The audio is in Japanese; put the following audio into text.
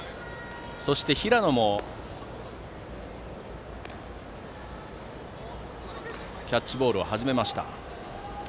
そして平野もキャッチボールを始めました。